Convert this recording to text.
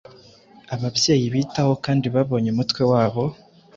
Ababyeyi bitaho kandi babonye umutwe, wabo